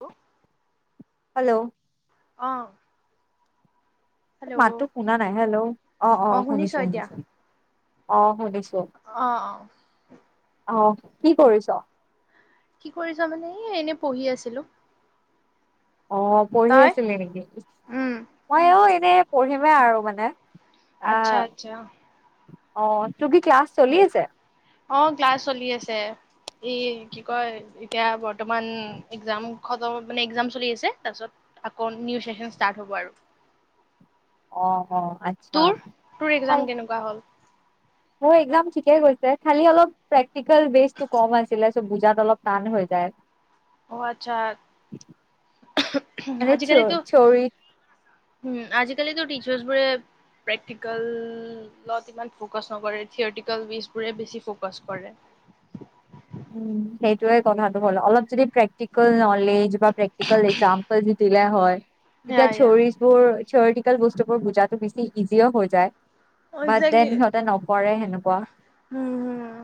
Hello. Hello. অঁ। মাতটো শুনা নাই হেল্ল' অ অ শুনিছ শুনিছো এতিয়া? শুনিছো। অ শুনিছোঁ। অ অ। আহ কি কৰিছ? কি কৰিছা মানে এ এনে পঢ়ি আছিলো। অ পঢ়ি আছিলি নেকি? উম। মই অ এনে পঢ়িম। আৰু মানে। আচ্ছা আহ আচ্ছা। অ তোৰ কি ক্লাছ চলি আছে। অ ক্লাছ চলি আছে এই কি কয় এতিয়া বৰ্তমান এক্জাম মানে এক্জাম চলি আছে তাৰপিছত আকৌ নিউ চেচন ষ্টাৰ্ট হ'ব আৰু। অ অ আচ্ছা তোৰ? তোৰ এক্সাম কেনেকুৱা হ'ল? ম একদম ঠিক। গৈছে খালি অলপ। কুশল বেছটো কৰাব আছিলে। বুজাত অলপ টান হৈ যায়। অ আচ্ছা । মানে থিয় আজিকালিটো থিয়ৰী উম আজিকালিটো । টিচাৰ্ছ বোৰে প্ৰেক্টিকেলত ইমান ফ'কাচ নকৰে থিয়টিকেল ৱচবোৰে বেছি ফ'কাচ কৰে। উ সেইটোয়ে কথাটো হ'ল অলপ যদি প্ৰেক্টিকেল ন। পৰিলে এইবাৰ একজাম দিবি? বোলে হয়। সেয়া, তেতিয়া সেয়া। চৰিচ বোৰ। থিয়ৰিটিকেল বস্তুবোৰ বুজাতটো বেছি ইজিও হৈ যায়। অ বাট দেন সিহঁতে নপৰে হেনো। কোৱা । উম হম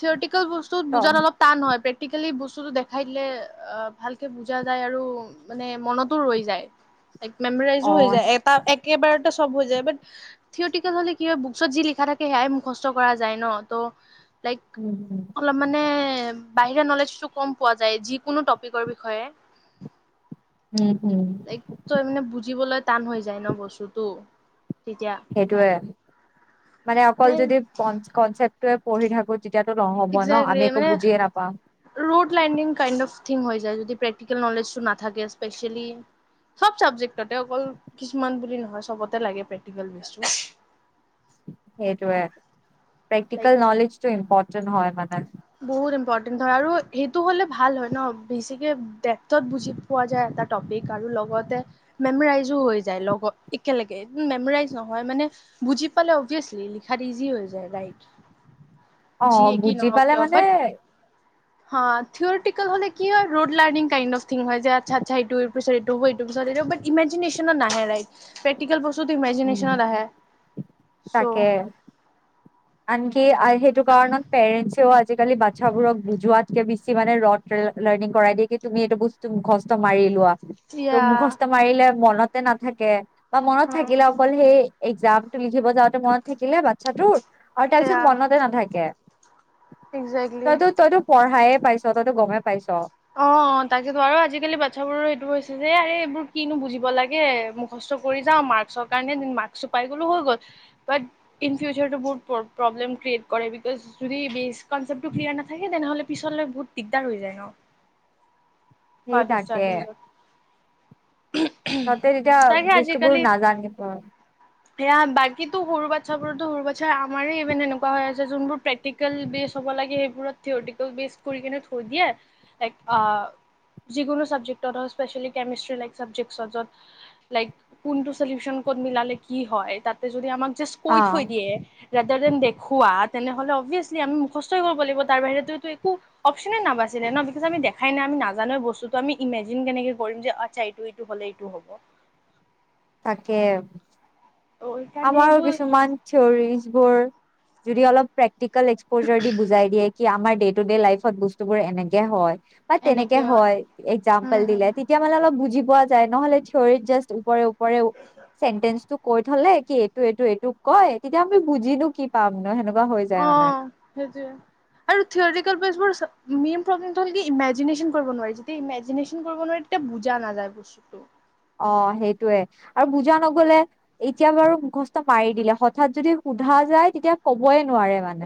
ছটি । কিছুমান বস্তু ত বুজাত অলপ টান হয় । প্ৰেক্টিকেলী বস্তু বস্তুটো দেখাই দিলে আহ ভালকে বুজা যায় আৰু মানে মনতো ৰৈ যায়। এক মেমৰাইজো হৈ অ' যায় এটা একেবাৰতে চব। ব হৈ যায় থিয়টি হলে কি হয় বুকচত যি লিখা থাকে সেয়াই মুখস্থ কৰা যায় ন ত' লাইক উম, অলপ মানে। বাহিৰা নলেজটো কম পোৱা যায় যিকোনো টপিকৰ বিষয়ে? উম, উম। উম লাইক তো মানে বুজিবলৈ? টান হৈ যায় ন বস্তুটো। তেতিয়া সেইটোয়ে মানে অকল এ যদি কনচেপ। তইে পঢি থাকো। তেতিয়াতো নহ'ব ন একজেক্লী আমি একো মানে বুজিয়ে নাপাম ৰুট লণ্ডিং কাইড অফ। যদি প্ৰেক্টিকেল নলেজটো নাথাকে স্পেচিয়েলি চব চাবেক্ট অকল কিছুমান বুলি নহয় চবতে লাগে প্ৰেক্টিকেল বস্তু। সেইটোৱে লাইক প্ৰেক্টিকেল ন'লেজটো ইম্পৰ্টেণ্ট। যোন হয় মানে । বহুত ইম্পৰ্টেণ্ট হয় আৰু সেইটো হ'লে ভাল হয় ন' বেছিকে ডেফ্টত বুজি পোৱা যায়, এটা টপিক আৰু লগতে মেমৰাইজো হৈ যায়, লগত একেলগে মেমৰাইজ নহয় মানে বুজি পালে অভিয়াচলি লিখাত ইজি হৈ যায় ৰাইট । অ' বুজি পালে মানে - বাট । হা' থিয়ৰিটিকেল হ'লে কি হয় rote learning kind of thing হয় যে আচ্ছা-আচ্ছা ইটোৰ পিছত সিটো হ'ব ইটোৰ পিছত সিটো বাট ইমাজানেচ্যনত নাহে ৰাইট। যদি উম, ইমেজিচ্যনত আহে চ' । তাকে আনকি সেইটো কাৰণত পেৰেন্টছেও আজিকালি বাচ্ছাবোৰক বুজোৱাতকে বেছি মানে ৰদ লাৰ্ণিং কৰাই দিয়ে কি তুমি এইটো বস্তু মুখস্থ মাৰি লোৱা । তো ইয়া মুখস্থ মাৰিলে মনত- এতে নাথাকে । বা মনত থাকিলে অকল সেই । একজামটো লিখিব যাওঁতে মনত থাকিলে বাচ্ছাটোৰ - আৰু তাৰপিছত এয়া মনতে নাথাকে । একজেক্টলি তইতো-তইতো পঢ়ায়ে- পাইছ তহঁতে গমে পাইছ । অ' তাকেতো আৰু আজিকালি বাচ্ছাবোৰৰ এইটো হৈছে যে আৰে এইবোৰ কিনো বুজিব লাগে মুখস্থ কৰি যাও, মাৰ্কছৰ কাৰণে মাৰ্কছটো পাই গ'লো হৈ গ'ল । বাট ইন ফিউচাৰ বহুত প্ৰবলেম ক্ৰিয়েট কৰে বিকজ যদি বেচিক কনচেপটো ক্লিয়াৰ নাথাকে তেনেহ'লে পিছত বহুত দিগদাৰ হৈ যায় ন । সেই তাকে [unintelligible] তহঁতে তেতিয়া তাকে বস্তুবোৰ আজিকালি নাজানিব সেয়া বাকীতো সৰু বা- সেইবোৰতো সৰু বাচ্ছা, আমাৰ ইভেন এনেকুৱা হৈ আছে যোনবোৰ প্ৰেক্টিকেল বেচ হ'ব লাগে । সেইবোৰত থিয়ৰিটিকেল বেচ কৰি কিনে থৈ দিয়ে । আ' যিকোনো চাবজেক্টত অ' স্পেচিয়েলি কেমিষ্টি লাইক চাবজেক্টত য'ত লাইক কোনটো চলিউচন ক'ত মিলালে কি হয় তাতে যদি আমাক - জাষ্ট কৈ, অ থৈ দিয়ে । বেটাৰদেন দেখুৱা তেনেহলে অভিয়াচলি আমি মুখস্থ কৰিব লাগিব তাৰ বাহিৰেতো একো অপচনে নাবাছিলে ন? চা আমি দেখাই নাই আমি নাজানো বস্তুটো আমি ইমেজিন কেনেকে কৰিম যে আচ্ছা এইটো, এইটো হ'লে এইটো হ'ব। তাকে । ত' সেইকাৰণে আমাৰো এইটো কিছুমান থিয়ৰি বোৰ । যদি অলপ প্ৰেক্টি- প্ৰেক্টিকেল এক্সপ'জাৰ দি বুজাই দিয়ে । কি আমাৰ দে টু ডে লাইফত বস্তু বোৰ এনেকে হয় । বা তেনেকে হয়, হম একজাম্পল হম দিলে তেতিয়া মানে অলপ বুজি- বুজি পোৱা যায় নহ'লে থিয়ৰিত জাষ্ট ওপৰেৰে - ওপৰে চেন্টেচতো কৈ থলে । কি এইটো, এইটো, এইটোক কয় তেতিয়া আমি বুজিনো কি পাম ন সেনেকে - অ' সেইটোৱে আৰু থিয়ৰিকেল বেচ বোৰ - মেইন প্ৰব্লেমটো হ'ল কি ইমেজিনেচন কৰিব নোৱাৰি যেতিয়া ইমেজিনেচন কৰিব নোৱাৰি তেতিয়া বুজা নাযায় বস্তুটো । অ সেইটো য়ে, আৰু বুজা নগলে এতিয়া বাৰু মুখস্থ মাৰি দিলে, হঠাৎ যদি সোধা যায় তেতিয়া ক'বই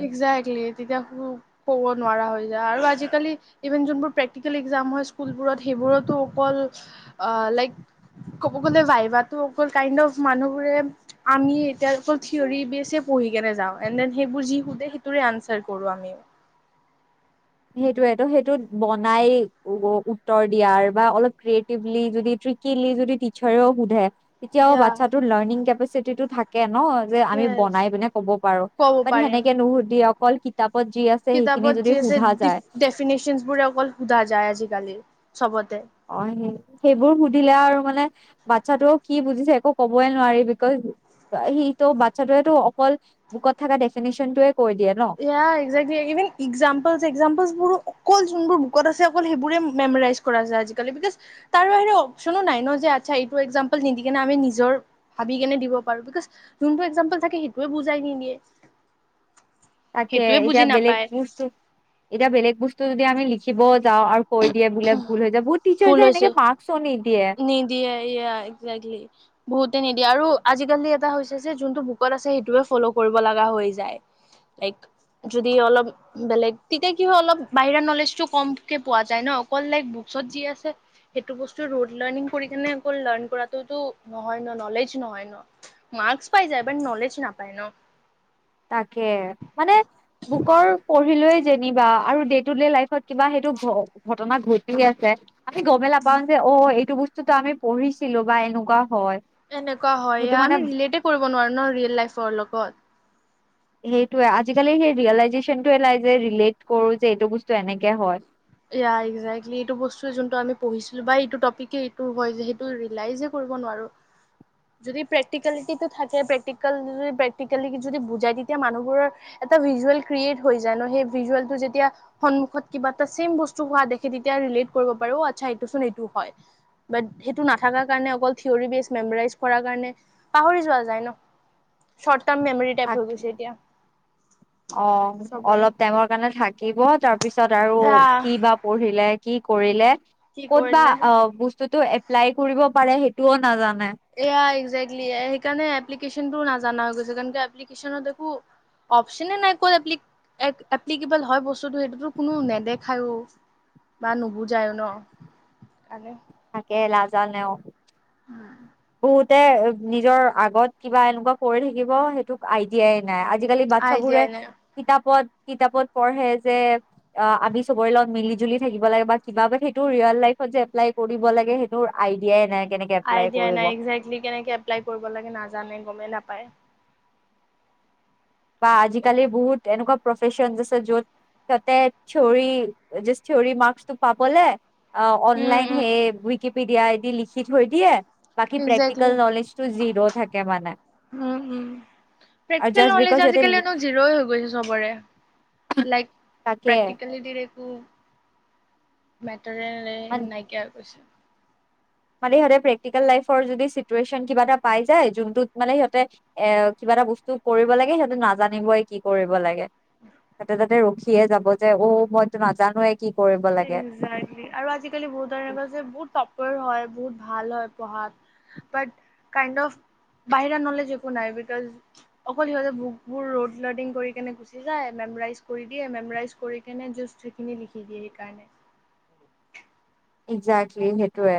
একজ্টলি, তেতিয়া ক'ব নোৱাৰা হৈ যায়, আৰু আজি আজিকালি ইভেন যোনবোৰ প্ৰেক্টিকেল এক্জাম হয় স্কুলবোৰত সেইবোৰতো অকল লাইক ক'ব গ'লে ভাইভাো অকল কাইণ্ড অফ মানুহবোৰে আমি এতিয়া অকল থিয়ৰী বেচে পঢ়ি কেনে যাওঁ এনড দেন সেইবোৰ যি সুধে সেইটোৰে আনচাৰ কৰো আমি। সেইটোয় তো সেইটোত বনাই উত্তৰ দিয়াৰ বা অলপ ক্ৰিয়েটিভলি যদি ট্ৰিকিলি যদি টিচাৰেও সুধে তেতিয়াও ইয়া বাচ্া ৰ লাৰ্িং কেেচিটি টো থাকে [unintelligible] ন যে আমি য়েছ বনাই পিনে ক'ব পাৰো, ক'ব বা পাৰিম। সেনেকে নুশুধি অকল কিতাপ যি আছে সেইখিনি যদি সোধা যায় ডেফিনেশচন বোৰে অকল সোধা যায় আজিকালি। চবতে। অ স, সেইবোৰ সুধিলে আৰু মানে বাচ্ছাটোও কি বুজিছে একো কবই নোৱাৰি বিকজ সি তু বাচ্ছটোৱে অকল বুকত থকা ডেফিনেশচনটোৱে য়া একজেক্টলি, এভন এক্সাম্পলছ এক্সাম্পলছ বুৰু অকল বুকত আছে অকল সেইবোৰে মেমৰাইজ কৰা যায়। আজি কালি বিকজ তাৰ বাহিৰে অপচনো নাই যে ।আচছা এইটো একজাম্পল নিদি কেনে আমি নিজৰ ভাবি কেনে দিব পাৰো। বিকজ যুনতু একজাম্পল থাকে সেইটোৱে বুজাই নিদিয়ে। তাকে সেইটোৱে বুজি এতিয়া বেলেগ নাপায় বস্তু, এতিয়া বেলেগ বস্তু যদি আমি লিখিবও যাওঁ আৰু কৈ দিয়ে বোলে ভুল হৈ যায় বহুত টিচাৰ ভুল যে হৈছে সেনেকে মাৰ্কসও নিদিয়ে। নিদিয়ে তে নিদিয়া আৰু আজিকালি এটা হৈছে যে যোনটো বুকত আছে সেইটোয়ে ফ'ল' কৰিব লগা হৈ যায়। লাইক যদি অলপ বেলেগ তেতিয়া কি অলপ বাহিৰা নলেজতটো কমকে পোৱা যায় ন অকল লাইক বুকত যি আছে সেইটো বস্তু ৰোড লাৰ্ণং কৰি কিনে অকল লাৰ্ণ কৰাটোতো নহয় ন নলেজ নহয় ন, মাৰ্কচ পাই যায় বাট নলেজ নাপায় ন। তাকে মানে বুকৰ পঢ়িলৈ যেনিবা আৰু ডে টু ডে লাইফত কিবা সেইটো ঘ ঘটনা ঘটি আছে আমি গমে নাপাওঁ যে অ এইটো বস্তু চোত আমি পঢ়িছিলোঁ বা এনেকুৱা হয় এনেকুৱা হয় সেইটো মানে আমি ৰিলেট কৰিব নোৱাৰো ন ৰিয়েল লাইফৰ লগত। সেইটোয়ে আজিকালি সেই ৰিয়েলাইজেচন যে ৰিলেট কৰোঁ যে এইটো বস্তু এনেকে হয় য়া এক্জেক্টলি, এটো বস্তু যোনটো আমি পঢ়িছিলো বা এইটো টপিক এইটো হয় যে। সেইটো ৰিলায়জ যে কৰিব নোৱাৰো ।যদি প্ৰেক্টিকেল যদি থাকে। প্ৰেক্টিকেল যদি থাকে প্ৰেক্টিকেলি বুজায় তেতিয়া মানুহ বোৰৰ এটা ভিজেল্ৰেট ক্ৰীয়েট হৈ যায় ন সেই যেতিয়া মানুহৰ সন্মুখত কিবা। ত ছেম বস্তু হোৱা দেখে তেতিয়া ৰিলেট কৰিব পাৰো ।অ আচ্ছা এইটো চোন এইটো হয়। বাত সেইটো নাথাক কাৰণে অকল থিয়ৰ বেচ মেমইজ কৰ কাৰণে পাহৰি যোৱা যায় ন টাৰ্ম মেমৰি টাইপ থাক হৈ গৈছে এতিয়া অ, চবৰে অলপ টেঙৰ কাৰণে থাক থাকিব, তাৰ পিছত আৰু কি আহ বা পঢ়িলে কি কৰিলে? কি ক'ত বা কৰিলে অ বস্তুতটো লাই কৰিব পাৰে সেইটোও নাজান এয়া একজেক্টলি সেইকাৰণে। এপ্লিকেশনটো নাজানা হৈ গৈছে। কাৰণ এপ্লিকেশ্যনত দেখো অপচনে নাই কৈ এপ্লিকেবল হয়। বস্তুটো সেইটোতো কোনো নেদেখায়ো বা নুবুজায়ো ন কাণে থাকে নাযানে অ। হুতে নিজৰ আগত কিবা এনেকুৱা কৰি থাকিব সেইটোক আইডিয়াই নাই। আজিকালি বাটচাবোৰে আইডিয়াই নাই কিতাপত কিতাপত পঢ়ে যে অ আমি চবৰে লগত মিলি জুলি থাকিব লাগে বা কিবা সেইটো ৰিয়েল লাইফত যে এপ্লাই কৰিব লাগে সেইটো আইডিয়াই নাই। কেনেকে এপ্লাই এতিয়া কৰিব নাই একজেক্টলি কেনেকে এপ্লাই কৰিব লাগে নাজানে গমেই নাপায় বা আজিকালি বহুত এনেকুৱা প্ৰফেচন য'ত ততে থিঅৰি থিঅৰি মাৰ্কটো পাবলে অ অ উম অননলাইন হে উম বিকিপিড দিয়া দি লিখি থৈ দিয়ে বাকী প্ৰেক্টিকেল একজেক্টলি নলেজটো জিৰ থাকে মানে উম উম আৰু প্ৰেক্টিকেল জাষ্ট নলেজ বিকজ সিহঁতে আজিকালি ইনেও জিৰো হয়গৈছে সবৰে লাইফ থাকে প্ৰেক্টিকেল দিৰে অহ নাইকিয়া হৈ গৈছে মানে সিহতে প্ৰেক্টিকেল লাইফৰ‌ যদি কিবা এটা পাই যায় যোনটোত মানে সিহঁতে এ কিবা এটা বস্তু কৰিব লাগে সিহতে নাজানিবই কি কৰিব লাগে তাতে তাতে ৰখি য়ে যাব যে অ মইতো নাজানো এক আৰু আজিকালি বহুত ধৰণে কৈছে বহুত তপ হয় বহুত ভাল হয় পঢ়াত বাট কাইণ্ড অফ বাহিৰা নলেজ একো নাই বিকজ অকল সিহঁতে বুক বোৰ ৰড লাৰ্নিং কৰিনে গুচি যায় মেমৰাইজ কৰি দিয়ে মেমইজ কৰিকেনে জাষ্ট সেইখিনি লিখি দিয়ে স কাৰনে ইকজাকলি সেইটোয়ে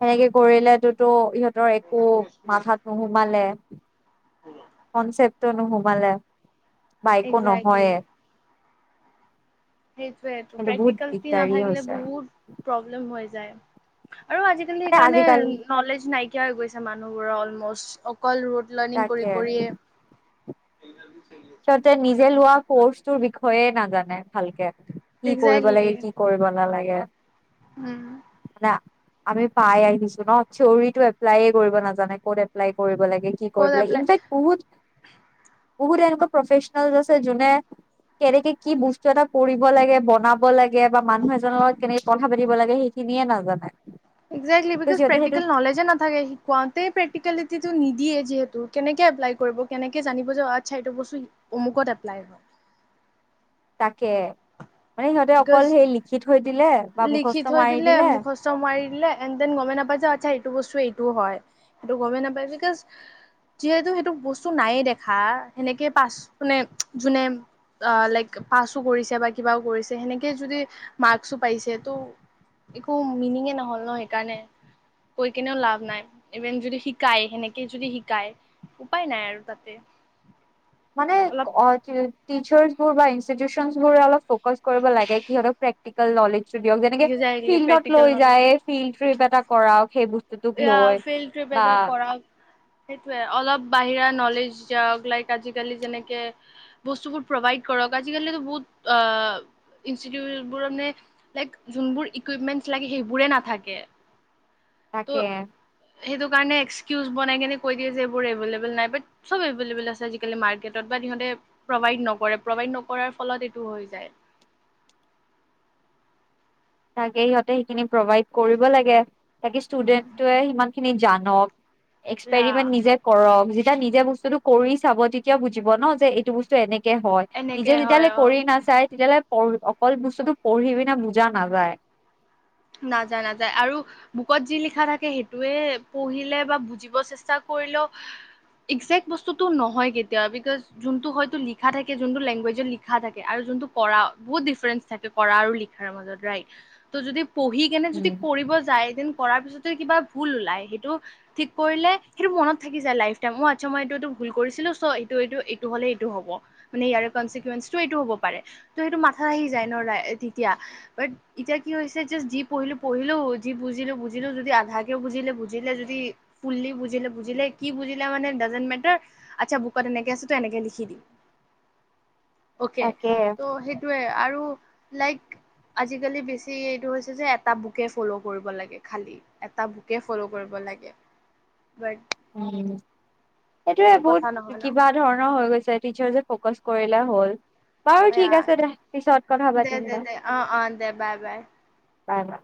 সেনেকে কৰিলেতো ইহঁত একো মাথাত নোসোমালে কনচেপ ত নোসোমালে বাইকো একজেক্টলি নহয়ে সেইটোয়েইটো কিন্তু বহুত প্ৰেক্টিকেলটি দিগদাৰী নাভাগিলে হৈছে বহুত প্ৰব্লেম হৈ যায় আৰু আজিকালি মানে সেইকাৰণে আজিকালি নলেজ নাই নাইকিয়া হৈ গৈছে মানুহবোৰৰ অলমষ্ট কল ৰোড লাৰ্ণিং কৰি তাকে কৰিয়ে স গ [unintelligible] সিহঁতে নিজে লোৱা কৰ্চ তোৰ বিষয়ে নাজানে ভালকে কি কৰিব একজেক্টলি লাগে কি কৰিব লাগে ভালা লাগে আৰু [inaudible] উম আমি পাই আহিছো ন থিয়ৰিটো এপ্লাই কৰিব নাজানে ক'ত এপ্লাই কৰিব লাগে কি কৰিব ক'ত লাগে এপ্লাই ইনফেক্ট বহুত বহুতে এনেক প্ৰফেচনেল আছে যোনে কেনেকে কি বস্তু এটা কৰিব লাগে বনাব লাগে বা মানুহ এজনৰ লগত কেনেকে কথা পাতিব লাগে সেইখিনিয়ে নাজানে ইটজেক্টলি ত বিকজ সিহঁতে সেইটো প্ৰক্টিকেল নলেজে নাথাকে শিকাওতে প্ৰেক্টিকেল দিয়ে যিহেতু কেনেকে এপ্লাই কৰিব কেনেকে জানিব যে অ আচ্ছা এইটো বস্তু অমুকত এপ্লাই হয় তাকে মানে সিহঁতে বিকজ অকল সেই লিখি থৈ দিলে বা লিখি মুখস্থ থৈ মাৰি দিলে মুখস্থ মাৰি দিলে এন দেন গমে নাপাই আচ্ছা সেইটো বস্তু এইটোও হয় সেইটো গমেই নাপায় বিকজ যিহেতু সেইটো বস্তু নায়ে দেখা সেনেকে পাছ মানে যোনে অ লাইক পাছো কৰিছে বা কিবাও কৰিছে সেনেকে যদি মাৰ্কচো পাইছে ত একো মিনিঙে নহল ন সেইকাৰণে কৈ কেনেও লাভ নাই ইভেন যদি শিকাই সেনেকে যদি শিকাই উপায় নাই আৰু তাতে মানে অলপ অ টিচাৰবোৰ বা ইনষ্টিটিউশ্যনবোৰ অলপ ফকাচ কৰিব লাগে কি সিহঁতক প্ৰেক্টিকেল নলেজ যেনেকে একজেক্টলি ফিল্ডত প্ৰেক্টিকেল লৈ নলেজ যায় ফিল্ড ট্ৰিপ এটা কৰাওক সেইবোৰ এ ফিল্ড ট্ৰিপ এটা কৰা সেইটোৱে অলপ বাহিৰা নলেজ যাওক লাইক আজিকালি যেনেকৈ বস্তুবোৰ প্ৰভাইদ কৰক আজিকালি ত বহুত আ ইনষ্টিটিউটবোৰ মানে লাইক যোনবোৰ ইকোইপমেণ্ট লাগে সেইবোৰ নাথাকে তাকে ত' সেইটো কাৰণে এক্সকিউজ বনাই কিনে কৈ দিয়ে যে এইবোৰ এভলেবল নাই বাট চব এভলেবল আছে আজাকালি মাৰ্কেটত বাট প্ৰভাইড নকৰে প্ৰভাইড নকৰাৰ ফলত এইটো হৈ যায় তাকে সিহঁতে সেইখিনি প্ৰভাইড কৰিব লাগে তাকে উম ষ্টুডেন্টটোৱে সিমান খিনি জানক ৰা এক্সপেৰিমেণ্ট নিজে কৰক এতিয়া নিজে বস্তুটো কৰি চাব তেতিয়া বুজিব ন যে এইটো বস্তু এনেক হয় নিজে এনেকে হয় যেতিয়ালৈ অ কৰি নাচায় তেতিয়ালে পঢ়ি অকল বস্তুটো পঢ়ি পিনে বুজা নাযায় নাযায় নাযায় আৰু বুকত যি লিখা থাকে সেইটোৱে পঢ়িলে বা বুজিব চেষ্টা কৰিলেও একজেক্ট বস্তুটো নহয় কেতিয়াও বিকজ যোনটো হয়তো লিখা থাকে যোনটো লেংগুৱেজত লিখা থাকে আৰু যোনটো কৰা বহুত ডিফাৰেন্ঞ্চ থাকে কৰা আৰু লিখাৰ মাজত ৰাইট ত' যদি পঢ়ি কেনে যদি উম কৰিব যায় কৰাৰ পিছতে কিবা ভুল ওলাই সেইটো ঠিক কৰিলে সেইটো মনত থাকি যায় লাইফ টাইম অ আচ্ছা মই এইটো এইটো ভুল কৰিছিলো চ এইটো এইটো এইটো হলে এইটো হব মানে ইয়াৰে কনচিকুৱেঞ্চটো এইটো হব পাৰে ত সেইটো মাথা আহি যায় ন তেতিয়া ব এতিয়া কি হৈছে জাষ্ট যি পঢ়িলো পঢ়িলো যি বুজিলো বুজিলো যদি আধাকেও বুজিলে বুজিলে যদি ফুললি বুজিলে বুজিলে কি বুজিলে মানে ডাজেনট মেটাৰ আচ্ছা বুকত এনেকে আছে ত এনেকে লিখি দিম অকে তাকে ত' সেইটোৱে আৰু লাইক আজিকালি বেছি সেইটো হৈছে যে এটা বুকে ফ'ল' কৰিব লাগে খালি এটা বুকে ফল' কৰিব লাগে বাট সেইটোয়ে সেইটো কথা বহুত নহয় ন কিবা ধৰণৰ হৈ গৈছে টিচাৰ যে ফকাচ কৰিলে হ'ল বাৰু ঠিক আছে দে পিছত কথা দে পাতিম দে দে অ অ দে বাই বাই কই যা